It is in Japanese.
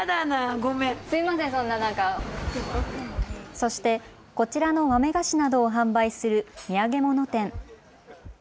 そして、こちらの豆菓子などを販売する土産物店。